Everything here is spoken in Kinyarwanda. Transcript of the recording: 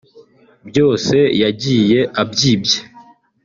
byose yagiye abyibye